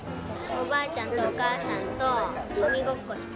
おばあちゃんとお母さんと鬼ごっこした。